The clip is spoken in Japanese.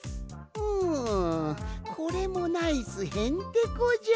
ううんこれもナイスへんてこじゃ！